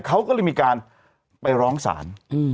เขาก็เลยมีการไปร้องศาล